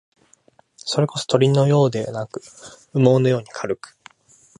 それこそ、鳥のようではなく、羽毛のように軽く、